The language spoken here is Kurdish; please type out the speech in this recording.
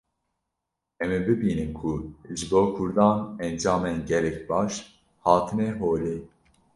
em ê bibînin ku ji bo Kurdan encamên gelek baş hatine holê